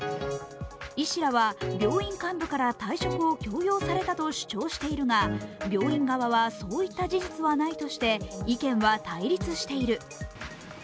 医師らは病院幹部から退職を強要されたと主張しているが病院側は、そういった事実はないとして意見は対立している。